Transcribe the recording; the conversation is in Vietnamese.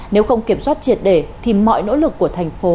nếu không kiểm soát triệt đề thì mọi nỗ lực của thành phố